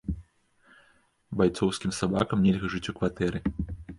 Байцоўскім сабакам нельга жыць у кватэры!